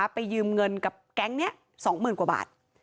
ไปยืมเงินกับแก๊งเนี่ย๒หมื่นกว่าบาท